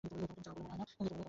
তবে তুমি চাও বলে মনে হয় না।